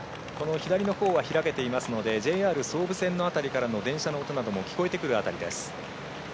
左のほうは開けていますのでＪＲ総武線の辺りからの音も聞こえてくるような辺りです。